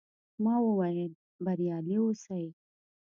ما وویل، بریالي اوسئ.